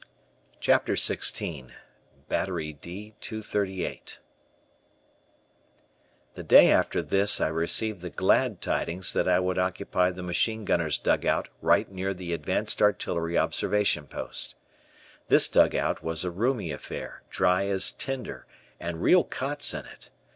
CHAPTER XVI BATTERY D 238 The day after this I received the glad tidings that I would occupy the machine gunners' dugout right near the advanced artillery observation post. This dugout was a roomy affair, dry as tinder, and real cots in it.